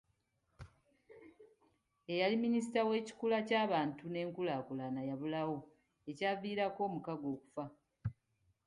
Eyali minisita w'ekikula ky'abantu n'enkulaakulana yabulawo ekyaviirako omukago okufa.